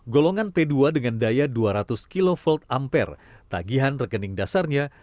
golongan p dua dengan daya dua ratus kv ampere tagihan rekening dasarnya